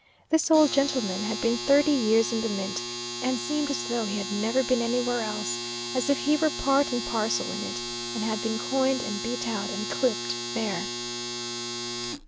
This old gentleman had been thirty years in the mint, and seemed as though he had never been anywhere else; as if he were part and parcel in it, and had been coined, and beat out, and clipped there.